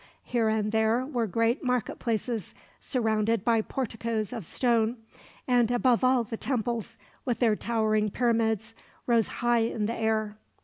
Here and there were great marketplaces, surrounded by porticoes of stone; and above all the temples, with their towering pyramids, rose high in the air.